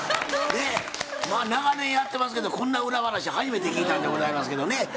ねえ長年やってますけどこんな裏話初めて聞いたんでございますけどね。